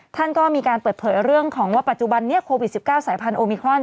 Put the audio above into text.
ท่านก็มีการเปิดเผยเรื่องของว่าปัจจุบันนี้โควิด๑๙สายพันธุมิครอน